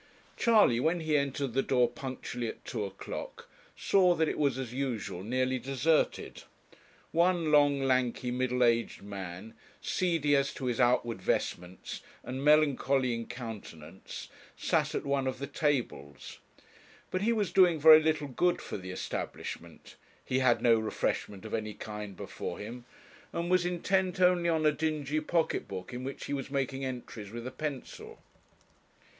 Charley, when he entered the door punctually at two o'clock, saw that it was as usual nearly deserted. One long, lanky, middle aged man, seedy as to his outward vestments, and melancholy in countenance, sat at one of the tables. But he was doing very little good for the establishment: he had no refreshment of any kind before him, and was intent only on a dingy pocket book in which he was making entries with a pencil.